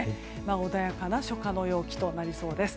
穏やかな初夏の陽気となりそうです。